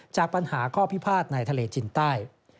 จากปัญหาข้อพิพาทในทะเลจินใต้